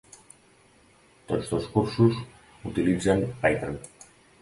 Tots dos cursos utilitzen Python.